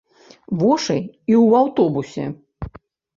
Вошы і ў аўтобусе!